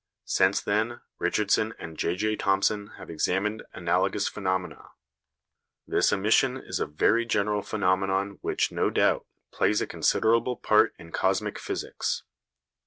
Since then, Richardson and J.J. Thomson have examined analogous phenomena. This emission is a very general phenomenon which, no doubt, plays a considerable part in cosmic physics.